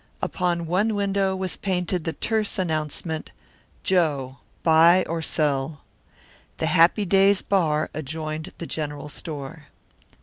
Upon one window was painted the terse announcement, "Joe Buy or Sell." The Happy Days Bar adjoined the General Store.